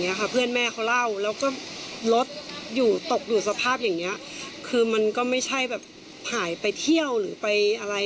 เพื่อนแม่เขาเล่าแล้วก็รถอยู่ตกอยู่สภาพอย่างนี้คือมันก็ไม่ใช่แบบหายไปเที่ยวหรือไปอะไร